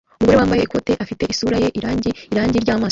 Umugore wambaye ikote afite isura ye irangi irangi ryamaso